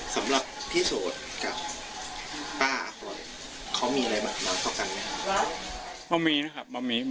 สำหรับพี่สวดกับป้าเขามีอะไรบ้างออกกันไหมบรรพ์